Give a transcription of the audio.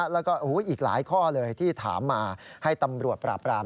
แล้วก็อีกหลายข้อเลยที่ถามมาให้ตำรวจปราบราม